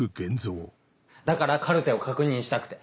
だからカルテを確認したくて。